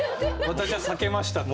「私は避けました」と。